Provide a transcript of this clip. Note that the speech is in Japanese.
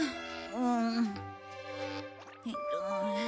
うん？